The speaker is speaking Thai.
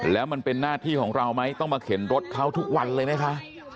แล้วมันเป็นหน้าที่ของเราไหมต้องมาเข็นรถเขาทุกวันเลยไหมคะ